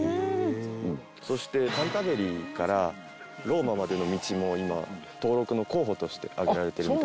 そしてカンタベリーからローマまでの道も今登録の候補として挙げられているみたいです。